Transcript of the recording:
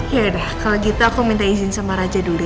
ya udah kalau gitu aku minta izin sama raja dulu